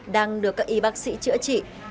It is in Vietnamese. đang được các y bác sĩ chữa trị